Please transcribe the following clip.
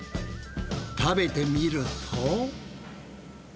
食べてみると？